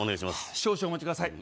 少々お待ちください